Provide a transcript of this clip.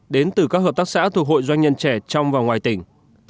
đến từ các hợp tác xã thuộc hội doanh nhân trẻ trong và ngoài tỉnh